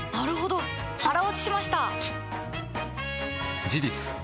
腹落ちしました！